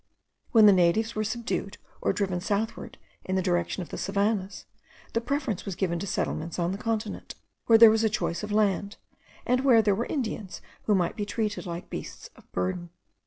When the natives were subdued, or driven southward in the direction of the savannahs, the preference was given to settlements on the continent, where there was a choice of land, and where there were Indians, who might be treated like beasts of burden.